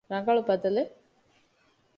ރަނގަޅު ބަދަލެއް؟